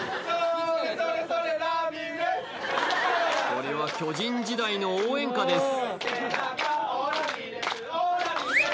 これは巨人時代の応援歌です